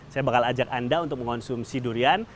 saya bakal ajak anda untuk mengonsumsi durian